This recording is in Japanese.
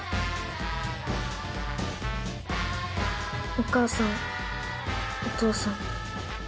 お母さんお父さん。